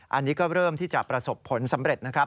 อันนี้ก็เริ่มที่จะประสบผลสำเร็จนะครับ